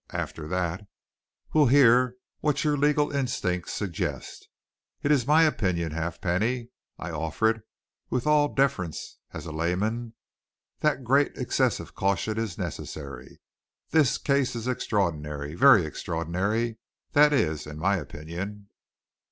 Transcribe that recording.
After that, we'll hear what your legal instinct suggests. It is my opinion, Halfpenny I offer it with all deference, as a layman that great, excessive caution is necessary. This case is extraordinary very extraordinary. That is in my opinion."